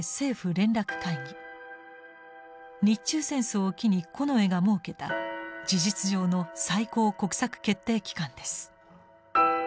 日中戦争を機に近衛が設けた事実上の最高国策決定機関です。